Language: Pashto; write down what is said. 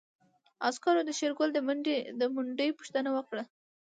عسکرو د شېرګل د منډې پوښتنه وکړه.